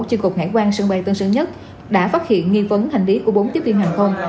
trên cục hải quan sân bay tân sơn nhất đã phát hiện nghi vấn hành lý của bốn tiếp viên hàng không